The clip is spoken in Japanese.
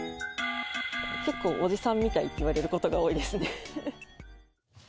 結構、おじさんみたいって言われることが多いですね。